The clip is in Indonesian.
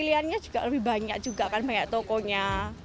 pilihannya juga lebih banyak juga kan banyak tokonya